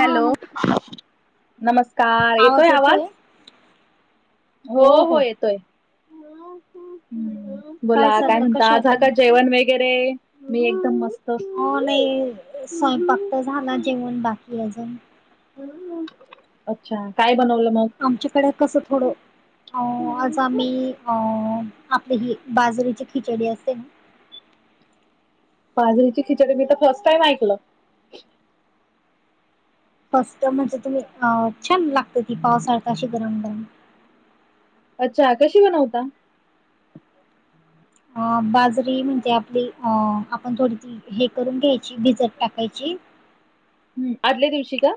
हा ना नमस्कार येतोय आवाज हो हो येतोय. बोला काय चाललं म्हणता कशा आहे आज ह तुम्ही का जेवण वगैरे मी एकदम मस्त हो नाही स्वयंपाक झाला जेवण बाकी अजून [unintelligible] [unintelligible] अच्छा काय बनवलं लंग आमच्याकडे कसं थोडं [unintelligible] अ आज आम्ही अ आपली हि बाजरीची खिचडी असते ना पाजरीची खिचडी मी तर फर्स्ट टाईम ऐकलं फस्ट म्हणजे तुम्ही अ छान लागत ती पावसाळता अशी गरम गरम अच्छा कशी बनवता [unintelligible] अ बाजरी म्हणतेे आपली अ आपण थोडी हे करून घ्यायची भिजत टाकायची हम् आदल्या दिवशी का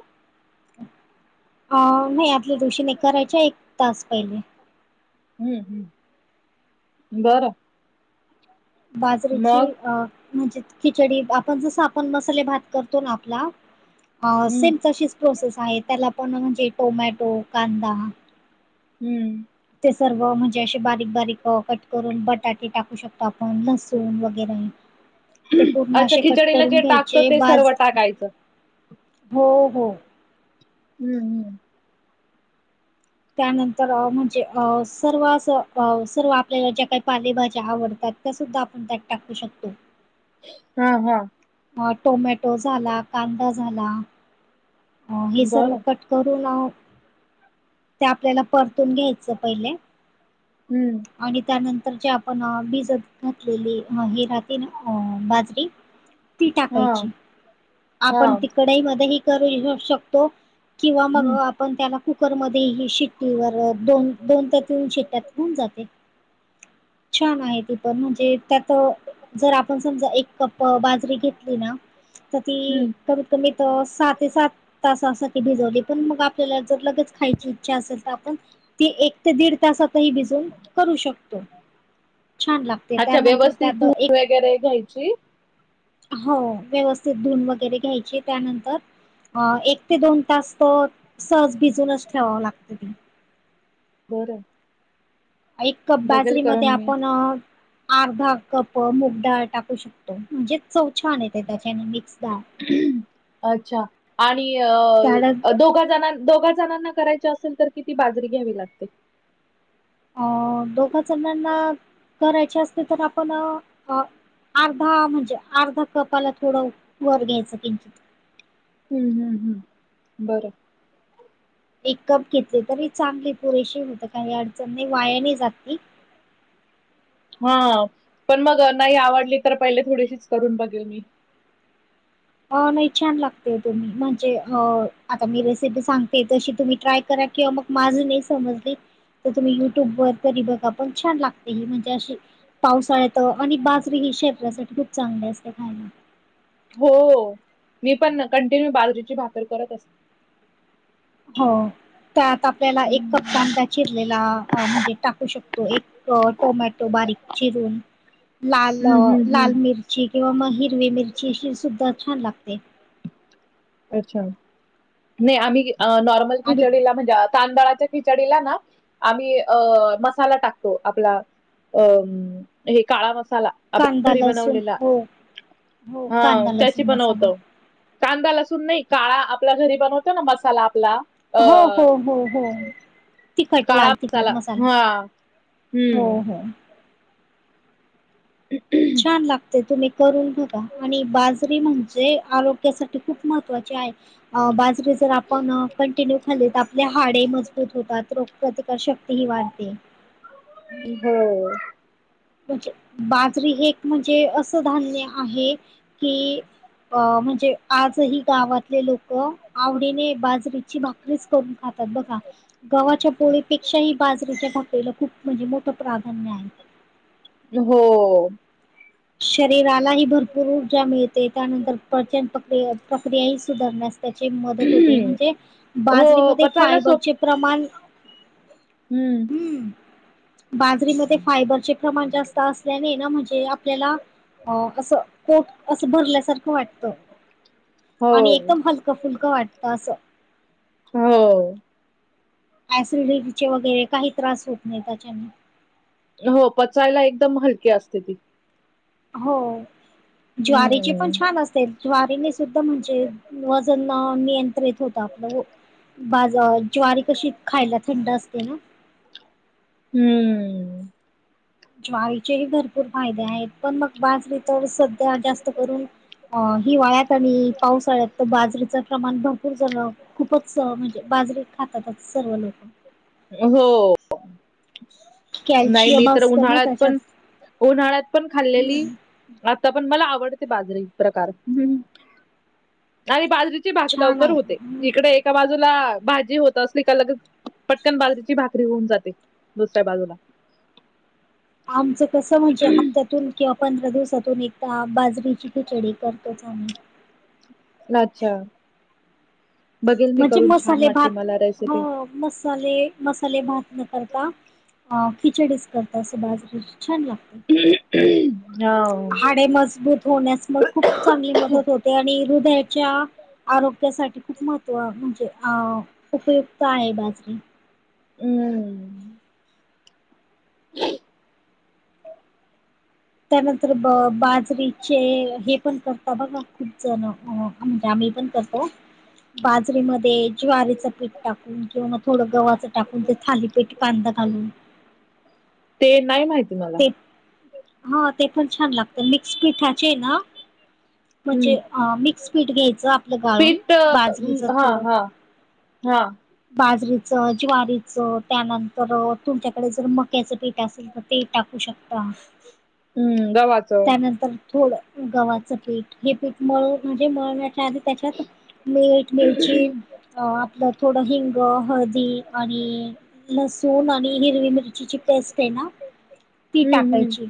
अ नाही आपल्या दिवशीने करायच्या एक तास पहिले हम् [inaudible] [unintelligible] बाजरीेची अ म्हणजे खिचडी आपण जस आपण मसाले भात करतो ना आपला ह हम्म सेम तशीच प्रोसेस आहे त्याला पण म्हणजे टोमॅटो कांदा हम्म [unintelligible] ते सर्व म्हणजे असे बारीक बारीक कट करून बटाटे टाकू शकतो आपण लसूण वगैरेभलं ते पूर्ण अच्छा असे कट खिचडीला जे करून टाकतो घ्यायचे ते सर्व बाजर टाकायचं हो हो हम्म हम्म [inaudible] त्यानंतर म्हणजे अ सर्व अस सर्व आपल्याला ज्या काही पालेभाज्या आवडतात सुद्धा आपण त्यात टाकू शकतो [unintelligible] हम् हम् [unintelligible] अ टोमॅटो झाला कांदा झाला [unintelligible] अ हे सर्व बरं कट करून ते आपल्याला परतून घ्यायचं पहिले हम्म [inaudible] आणि त्यानंतर जे आपण भिजत घातलेली हराती बाजरी ती हा टाकायची [unintelligible] हा आपण तिकडही मध्येही करू शकतो किंवा मग हम्म पण त्याला कुकरमध्ये ह शिट्टी व दोन दोन ते तीन शिट्ट्यात होऊन जाते छान आहे ती पण म्हणजे त्यात [unintelligible] जर आपण समजा एक कप बाजरी घेतली ना [unintelligible] तर ती हम्म कमीत कमीत सहा ते सात [unintelligible] तासासाठी भिजवली पण मग आपल्याला जर लगेच खायची इच्छा असेल तर आपण ते एक ते दीड तासातही भिजून करू शकतो छान लागते अच्छा त्यानंतर व्यवस्थित त्यात धुवून एक वगैरे घ्यायची हो व्यवस्थ धून वगैरे घ्यायचे त्यानंतर अ एक ते दोन तास सहज भिजूनच ठेवावं लागतं ते बरं. एक कप बघेल बाजरी करून मध्ये मी आपण.... अर्धा कप मुगडाळ टाकू शकतो म्हणजे चव छान येते त्याच्याने मिक्स डाळ अच्छा आणि त्याला अ दोघा जणां दोघा जणांना करायच्या असेल तर कि तती बाजरी घ्यावी लागते अ दोघा जणांना, करायचे असते. तर आपण अ अर्धा म्हणजे, अर्धा कपाला थोडं वर घ्यायचं. किंचित. हम्म, हम्म, हम्म. बरं. एक कप घेतले तरी, चांगले पुरेशी होत. काही अडचण नाही. वाया नाही जात ते. हा. पण मग नाही आवडली तर, पहिले थोडीशीच करून बघेल मी. अ नाही छान लागते. तुम्ही, म्हणजे अ आता मी रेसिपी सांगते. तशी तुम्ही ट्राय करा. किंवा मग माझं नाही समजली तर तुम्ही युट्यूब वर तरी बघा. पण छान लागते ही. म्हणजे अशी पावसाळ्यात. आणि बाजरी ही, शरीरासाठी खूप चांगली असते, खायला. हो. मी पण कंटिन्यू, बाजरीची भाकर करत असते. हो. त्यात आपल्याला एक कप हम्म कांदा चिरलेला. म्हणजे टाकू शकतो. एक अ टोमॅटो, बारीक चिरून. लाल अ हम्म लाल हम्म. मिर ची. किंवा म हिरवी मिरची, अशी सुद्धा छान लागते. अच्छा. नाही आम्ही अ नॉर्मल आणि खिचडीला म्हणजे तांदळाच्या खिचडीला ना, आम्ही अ मसाला टाकतो. आपला अं. हे, काळा मसाला. आपल्या कांदा घरी लसूण बनवलेला. हो हो हां, कांदा त्याची लसूण मसाला बनवतो. कांदा - लसून नाही. काळा, आपल्या घरी बनवतो ना, मसाला आपला. अ हो, हो, हो, हो. तिखट. काळा लाल- तिखट मसाला. हा हो, हम्म हो. छान लाग ते तुम्ही करून बघा. आणि बाजरी म्हणजे आरोग्यासाठी, खूप महत्त्वाची आहे. अ बाजरी जर आपण, कंटिन्यू खाल्ली तर, आपली हाडे मजबूत होतात. रोग प्रतिकार शक्ती ही वाढते. [inaudible] हो. म्हणजे, बाजरी हे एक म्हणजे, असं धान्य आहे. कि अ म्हणजे, आजही गावातले लोकं. आवडीने बाजरीची भाक रिच करून खातात. बघा. गव्हाच्या पोळीपेक्षाही, बाजरीेच्या भाकरीला खूप म्हणजे, मोठं प्राधान्य आहे. हो. शरीरालाही भरपूर ऊर्जा मिळते. त्यानंतर पचन पक्रिया- प्रक्रिया ही सुधारण्यास त्याची मदत होते. म्हणजे हो बाजरीमध्ये पचायला सोप फायबरचे प्रमाण हम्म. हम. बाजरीमध्ये फायबरचे प्रमाण जास्त असल्याने, ना. म्हणजे आपल्याला, अ असं पोट, असं भरल्यासारखं वाटतं. आणि हो एकदम हलकं- फुलकं वाटत असं. हो. ॲसिडिटीचे वगैरे काही त्रास होत नाही त्याच्याने. हो, पचायला एकदम हलकी असते ती. हो. ज्वारीची पण हम्म छान असेल. ज्वारीने सुद्धा म्हणजे, वजन अ नियंत्रित होत आपलं. बाज अ ज्वारी कशी, खायला थंड असते ना. हम्म. ज्वारीचेही भरपूर फायदे आहेत. पण मग बाजरी तर सध्या जास्त करून अ हिवाळ्यात आणि पावसाळ्यात तर, बाजरीचं प्रमाण भरपूर जणं खूपच म्हणजे, बाजरी खातातच. सर्व लोक. हो. नाही, मी कॅल्शियम तर असतं ना उन्हाळ्यात पण. त्याच्यात उन्हाळ्यात पण खाल्लेली. आता पण मला आवडते बाजरी, प्रकार. आणि बाजरी भाक छान लवकर होते. आहे इकडे एका बाजूला, भाजी होत असली का? लगेच पटकन बाजरीची भाकरी होऊन जाते, दुसऱ्या बाजूला. आमचं कसं म्हणजे हप्त्यातून किंवा पंधरा दिवसातून एकदा बाजरीची खिचडी करतोच आम्ही. अच्छा, बघेल मी म्हणजे करून छान मसाले भात वाटली मला रेसिपी. हो मसाले मसाले भात न करता अ खिचडीच करतात असं बाजरीची छान लागते. हो. हाडे मजबूत होण्यास मग खूप चांगली मदत होते आणि हृदयाच्या आरोग्यासाठी खूप महत्व म्हणजे अ उपयुक्त आहे बाजरी. हम्म [unintelligible] त्यानंतर ब बाजरीचे हे पण करता बघा, खूप जण म्हणजे आम्ही पण करतो. बाजरीमध्ये ज्वारीचं पीठ टाकून किंवा मग थोडं गव्हाचं टाकून ते थाली पिठ कांदा घालून ते नाही माहिती मला. ते हा ते पण छान लागतं मिक्स पिठाचे ना हम्म म्हणजे अ मिक्स पीठ घ्यायचं आ पीठ अ हा हा हा बाजरीचं, ज्वारीचं त्यानंतर तुमच्याकडे जर मक्याचं पीठ असेल तर ते एक टाकू शकता. हम्म गव्हाचं त्यानंतर थोडं गव्हाचं पीठ, हे पीठ मळु म्हणजे मळण्याच्या आधी त्याच्यात मीठ, मिरची अ आपलं थोडं हिंग, हळदी आणि लसूण आणि हिरवी मिर चीची पेस्ट आहे ना ती हम्म हम्म टाकायची.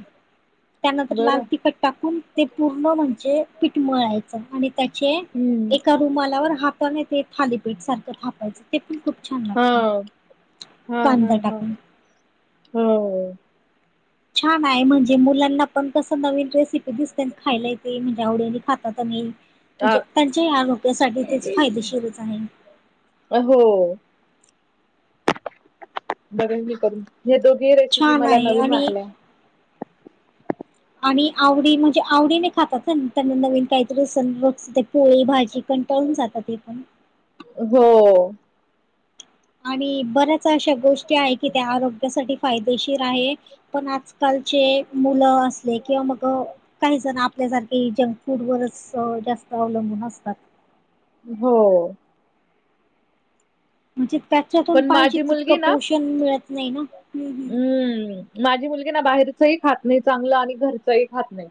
त्यानंतर लाल बरं तिखट टाकून ते पूर्ण म्हणजे पीठ मळायचं आणि त्याचे हम्म एका रुमालावर हाताने ते थालीपीठ सारखं थापायचं. ते पण खूप छान हा लागतं, कांदा टाकून. हम्म. छान आहे म्हणजे मुलांना पण कसं नवीन रेसिपी ते दिसते अन खायला येते म्हणजे आवडीने खातात आणि आ म्हणजे त्यांच्याही आरोग्यासाठी तेच फायदेशीरच आहे. अ हो बघेन मी करून, हे दोघी रेसिपी छान मला आहे नवीन आणि वाटल्या. आणि आवडी म्हणजे आवडीने खातात त्यांना नवीन काहीतरी स रोज ते पोळी भाजी कंटाळून जातात ते पण. हो आणि बऱ्याच अशा गोष्टी आहे की त्या आरोग्यासाठी फायदेशीर आहे. पण आज कालचे मुलं असले किंवा मग अ काही जण आपल्यासारखे जंक फूड वरच जास्त अवलंबून असतात. हो म्हणजे त्याच्यातून पण पाहिजे माझी तितकं मुलगी ना पोषण मिळत नाही ना, हम्म हम्म. हम्म माझी मुलगी ना बाहेरचही खात नाही चांगलं आणि घरचंही खात नाही.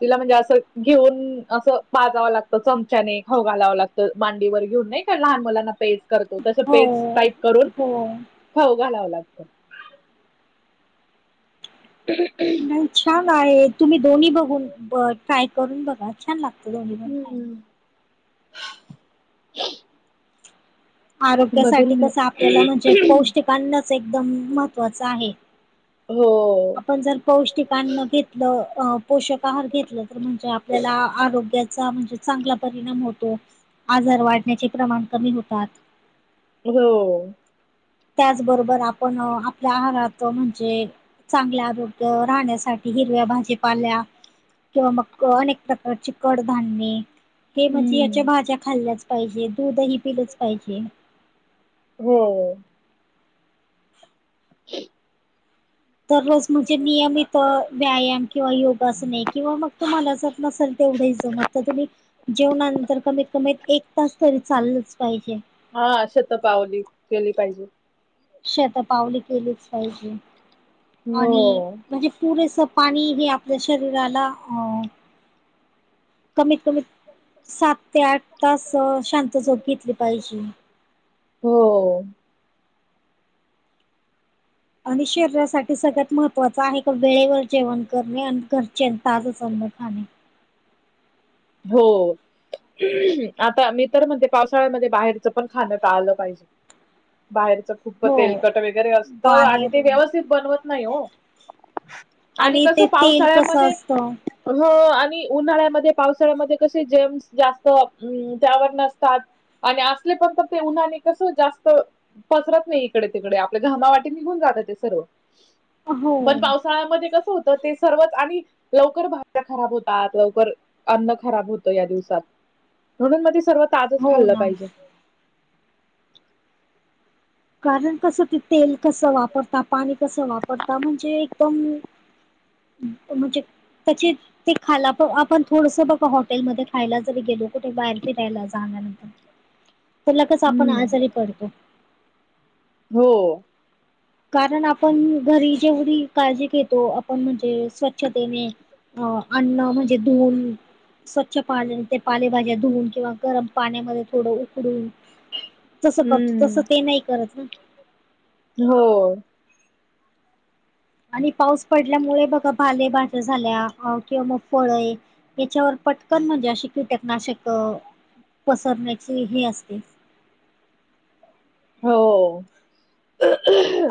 तिला म्हणजे असं घेऊन असं पाजावं लागतं, चमच्याने खाऊ घालावं लागतं. त मांडीवर घेऊन नाही का, लहान मुलांना पेज करतो, तसं पेज हो टाईप करून, हो. खाऊ घालावं लागतं. [unintelligible] नाही छान आहे, तुम्ही दोन्ही बघून अ ट्राय करून बघा छान लागतं दोन्ही पण. खायला. बघेल आरोग्यासाठी मी कस आपल्याला म्हणजे पौष्टिक अन्नच एकदम महत्त्वाचं आहे. हो. आपण जर पौष्टिकां्न घेतलं पोषक आहार घेतलं तर म्हणजे आपल्याला आरोग्याचा म्हणजे चांगला परिणाम होतो आजार वाढण्याचे प्रमाण कमी होतात. हो. त्याचबरोबर आपण आपल्या आहारात म्हणजे चांगल्या आरोग्य राहण्यासाठी हिरव्या भाजीपाल्या किंवा मग अनेक प्रकारची कडधान्य हे म्हणजे हम्म याच्या भाज्या खाल्ल्याच पाहिजे दूधही पिलंच पाहिजे. हो. ह [inaudible] दररोज म्हणजे नियमित व्यायाम किंवा योगासने किंवा मग तुम्हाला जात नसेल तेवढं जमत. तर तुम्ही जेवणानंतर कमीत कमी एक तास तरी चाललच पाहिजे. हा शत पावली केली पाहिजे. शत पावली केलीच पाहिजे हो आणि म्हणजे पुरेसं पाणी हे आपल्या शरीराला. कमीत कमी सात ते आठ तास शांत झोप घेतली पाहिजे. हो. आणि शरीरासाठी सगळ्यात महत्त्वाचं आहे का वेळेवर जेवण करणे आणि घरचे ताजंच अन्न खाणे. हो. आता मी तर म्हणजे पावसाळ्यामध्ये बाहेरच पण खाणं टाळलं पाहिजे. बाहेरच खूप हो तेलकट वगैरे असतं आणि ते बाहेरून व्यवस्थित बनवत नाही हो आणि कस ते तेल कसं पावसाळ्यामध्ये असतं हो आणि उन्हाळ्यामध्ये पावसाळ्यामध्ये कसे जम्स जास्त त्यावर नसतात. आणि असले पण तर ते उन्हाने कसं जास्त पसरत नाही इकडे तिकडे आपल्या घामावाटी निघून जात ते सर्व हो, पण पावसाळ्यामध्ये कसं होत ते सर्वच आणि लवकर भाज्या खराब होतात लवकर. अन्न खराब होतं या दिवसात म्हणून मग ते सर्व ताजच हो खाल्लं ना. पाहिजे. कारण कसं ते तेल कसं वापरता पाणी कसं वापरता म्हणजे एकदम म्हणजे त्याची ते खायला प आपण थोडस बघा हॉटेलमध्ये खायला जरी गेलो कुठे बाहेर फिरायला जाल्यानंतर तर लगेच आपण हम्म आजारी पडतो. हो. कारण आपण घरी जेवढी काळजी घेतो आपण म्हणजे स्वच्छतेने अ अन्न म्हणजे धुऊन. स्वच्छ पाण्या ते पालेभाज्या धुवून किंवा गरम पाण्यामध्ये थोडं उकडून. तसं करतो तसं हम्म ते नाही करत ना. हो. आणि पाऊस पडल्यामुळे बघा पाले भाज्या झाल्या किंवा मग फळे याच्यावर पटकन म्हणजे अशी कीटकनाशक पसरण्याचे हे असते. हो.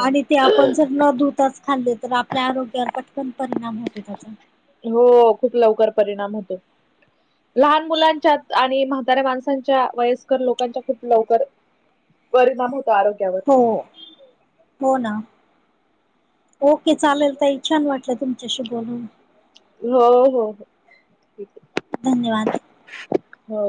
आणि ते आपण जर न धुताच खाल्ले तर आपल्या आरोग्यावर पटकन परिणाम होतो त्याचा हो खूप लवकर परिणाम होतो. लहान मुलांच्या आणि म्हातऱ्या माणसांच्या वयस्कर लोकांच्या खूप लवकर परिणाम होतो आरोग्यावर हो हो ना. ओके चालेल ताई छान वाटलं तुमच्याशी बोलून. हो हो हो ठीक आहे. धन्यवाद. हो.